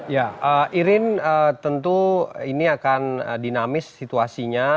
ya irin tentu ini akan dinamis situasinya